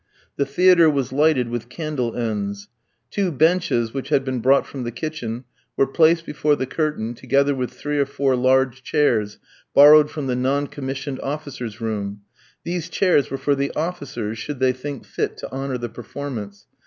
The theatre was lighted with candle ends. Two benches, which had been brought from the kitchen, were placed before the curtain, together with three or four large chairs, borrowed from the non commissioned officers' room. These chairs were for the officers, should they think fit to honour the performance.